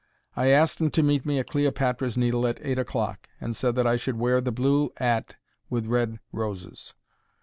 I asked 'im to meet me at Cleopatra's Needle at eight o'clock, and said that I should wear the blue 'at with red roses.